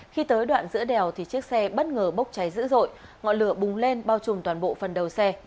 khi tới đoạn giữa đèo thì chiếc xe bất ngờ bốc cháy dữ dội ngọn lửa bùng lên bao trùm toàn bộ phần đầu xe